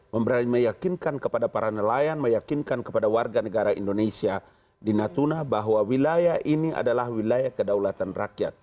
memberi meyakinkan kepada para nelayan meyakinkan kepada warga negara indonesia di natuna bahwa wilayah ini adalah wilayah kedaulatan rakyat